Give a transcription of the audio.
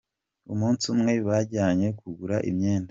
Umunsi umwe bajyanye kugura imyenda.